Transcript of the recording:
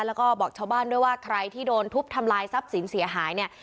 แล้วก็บอกชาวบ้านด้วยว่าใครที่โดนทุบทำลายทรัพย์สินเสียหายเนี่ย